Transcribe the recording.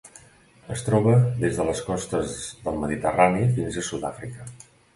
Es troba des de les costes del Mediterrani fins a Sud-àfrica.